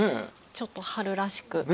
ちょっと春らしく。